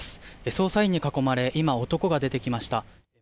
捜査員に囲まれ今、男が出てきました。